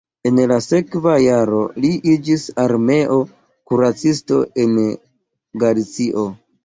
En la sekva jaro li iĝis armeo kuracisto en Galicio.